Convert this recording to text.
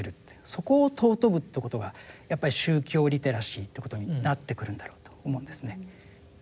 そこを尊ぶということがやっぱり宗教リテラシーということになってくるんだろうと思うんですね。